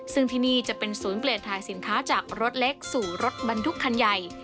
ซึ่งที่นี่จะเป็นศูนย์เปลี่ยนถ่ายสินค้าจากรถเล็กสู่รถบรรทุกคันใหญ่